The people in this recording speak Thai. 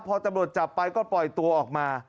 พอตำรวจจับไปก็ปล่อยตัวออกมา